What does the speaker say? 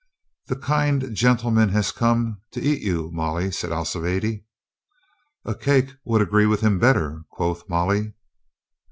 "The kind gentleman has come to eat you, Molly," said Alcibiade. "A cake would agree with him better," quoth Molly.